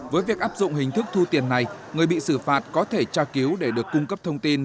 với việc áp dụng hình thức thu tiền này người bị xử phạt có thể tra cứu để được cung cấp thông tin